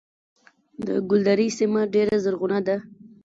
د ګلدرې سیمه ډیره زرغونه ده